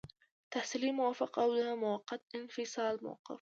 تحصیلي موقف او د موقت انفصال موقف.